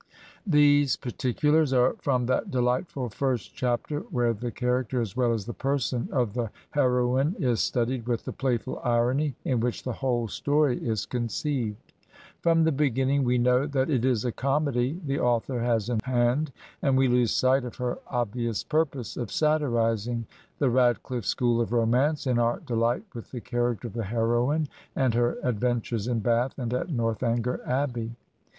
These particulars are from that delightful first chap ter where the character as well as the person of the hero ine is studied with the playful irony in which the whole story is conceived. From the beginning we know that it is a comedy the author has in hand ; and we lose sight of her obvious purpose of satirizing the RadclifiFe school of romance in our deUght with the character of the hero ine and her adventures in Bath and at Northanger Abbey.